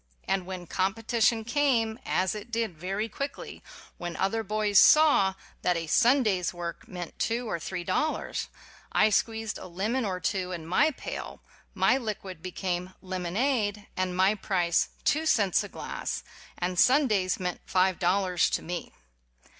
And when com petition came, as it did very quickly when other boys saw that a Sunday's work meant two or three dollars, I squeezed a lemon or two in my pail, my liquid became "lemonade" and my price two cents a glass, and Sun days meant five dollars to me.